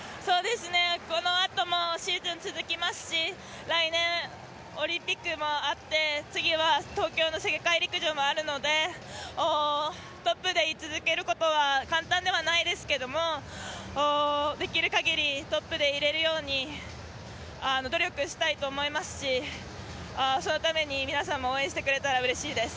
このあともシーズン続きますし来年、オリンピックもあって次は東京の世界陸上もあるのでトップでい続けることは簡単ではないですけれども、できるかぎりトップでいられるように努力したいと思いますし、そのために皆さんも応援してくれたらうれしいです。